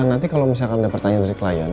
nanti kalau misalkan ada pertanyaan dari klien